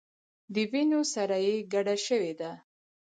د وینو سره یې ګډه شوې ده.